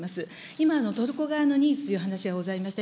今、トルコ側のニーズという話がございました。